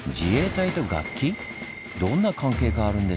どんな関係があるんでしょう？